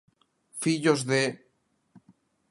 ¡Fillos de...!